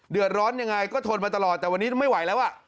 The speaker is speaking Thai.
ร้อนยังไงก็ทนมาตลอดแต่วันนี้ไม่ไหวแล้วอ่ะ